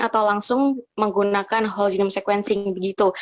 atau langsung menggunakan whole genome sequencing begitu